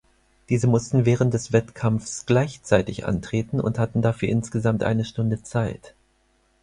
Diese mussten während des Wettkampfs gleichzeitig antreten und hatten dafür insgesamt eine Stunde Zeit.